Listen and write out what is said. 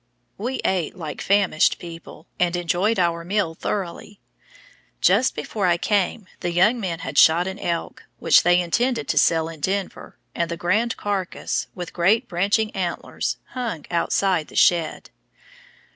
We ate like famished people, and enjoyed our meal thoroughly. Just before I came the young men had shot an elk, which they intended to sell in Denver, and the grand carcass, with great branching antlers, hung outside the shed.